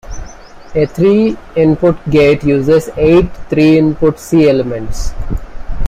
A three input gate uses eight three-input C-elements.